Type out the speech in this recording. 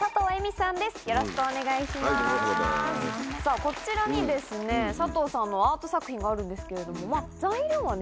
さぁこちらに佐藤さんのアート作品があるんですけれどもまぁ材料はね